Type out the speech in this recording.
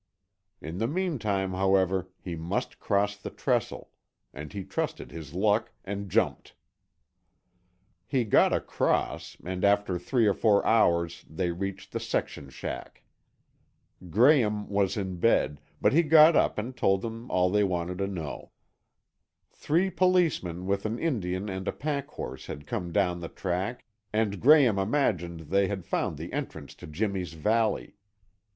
In the meantime, however, he must cross the trestle, and he trusted his luck and jumped. He got across and after three or four hours they reached the section shack. Graham was in bed, but he got up and told them all they wanted to know. Three policemen with an Indian and a pack horse had come down the track and Graham imagined they had found the entrance to Jimmy's valley.